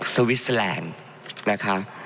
สวิสแลนด์นะคะ